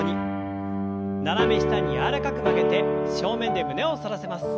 斜め下に柔らかく曲げて正面で胸を反らせます。